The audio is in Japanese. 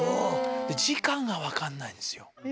時間が分かんないですよ。